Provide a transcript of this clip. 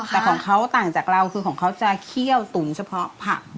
แต่ของเขาต่างจากเราคือของเขาจะเคี่ยวตุ๋นเฉพาะผัก